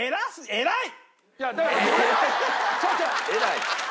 偉い？